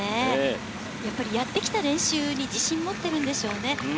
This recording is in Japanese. やってきた練習に自信を持ってるんでしょうね。